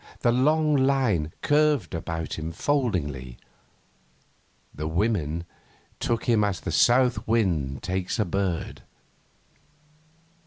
The long line curved about him foldingly. The women took him as the south wind takes a bird.